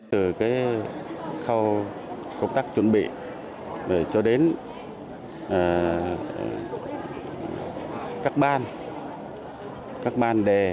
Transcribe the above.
từ khâu công tác chuẩn bị cho đến các ban các ban đề